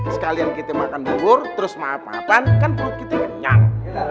sekalian kita makan bubur terus maaf maafan kan kita kenyang